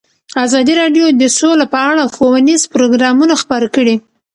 ازادي راډیو د سوله په اړه ښوونیز پروګرامونه خپاره کړي.